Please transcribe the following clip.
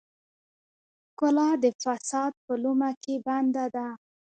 ښکلا د فساد په لومه کې بنده ده.